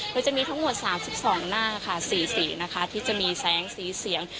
โดยจะมีทั้งหมด๓๒หน้าค่ะ๔สีนะคะที่จะมีแสงสีเสียง